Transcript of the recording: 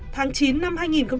tháng chín năm hai nghìn hai mươi ba